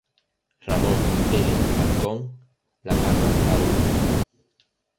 Ramon L. Falcon, Lacarra, Av.